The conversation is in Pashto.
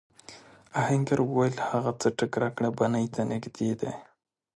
آهنګر وویل هغه څټک راکړه بنۍ ته نږدې دی.